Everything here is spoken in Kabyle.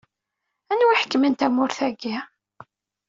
Anwa iḥekkmen tamurt-agi?